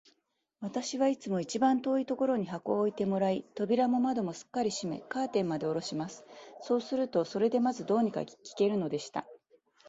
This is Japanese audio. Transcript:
私はいつも一番遠いところに箱を置いてもらい、扉も窓もすっかり閉め、カーテンまでおろします。そうすると、それでまず、どうにか聞けるのでした。